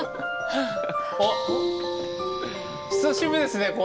おっ久しぶりですね